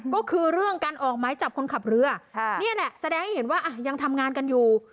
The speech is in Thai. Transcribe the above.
ก็คือเรื่องการออกไม้จับคนขับเรือนี่แหละแสดงให้เห็นว่ายังทำงานกันอยู่